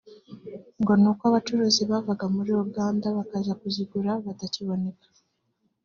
ngo ni uko abacuruzi bavaga muri Uganda bakaza kuzigura batakiboneka